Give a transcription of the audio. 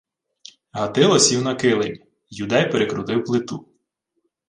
Гатило сів на килимі. Юдей перекрутив плиту: